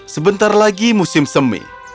sebentar lagi musim semi